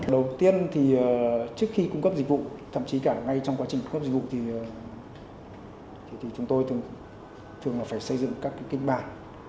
đầu tiên thì trước khi cung cấp dịch vụ thậm chí cả ngay trong quá trình cung cấp dịch vụ thì chúng tôi thường là phải xây dựng các kinh bản